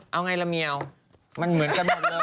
เอาไงล่ะเมียวมันเหมือนกันหมดเลยเราจะเล่นไรดี